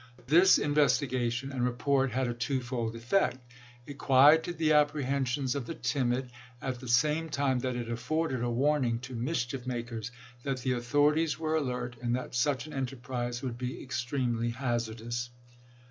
This in vestigation and report had a twofold effect. It quieted the apprehensions of the timid, at the same time that it afforded a warning to mischief makers that the authorities were alert and that such an enterprise would be extremely hazardous.